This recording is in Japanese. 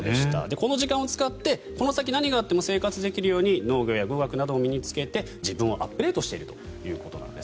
この時間を使って、この先何があっても生活できるように農業や語学などを身に着けて自分をアップデートしているということです。